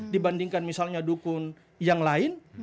dibandingkan misalnya dukun yang lain